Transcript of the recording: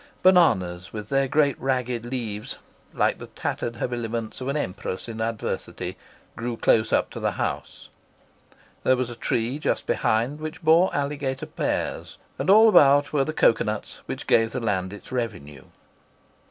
Bananas with their great ragged leaves, like the tattered habiliments of an empress in adversity, grew close up to the house. There was a tree just behind which bore alligator pears, and all about were the cocoa nuts which gave the land its revenue.